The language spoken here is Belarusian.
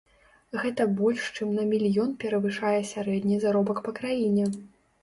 Гэта больш чым на мільён перавышае сярэдні заробак па краіне!